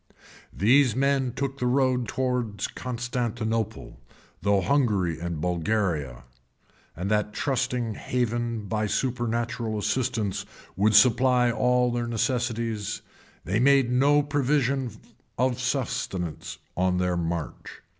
] These men took the road towards Constantinople, through Hungary and Bulgaria; and trusting that Heaven, by supernatural assistance, would supply all their necessities, they made no provision for subsistence on their march.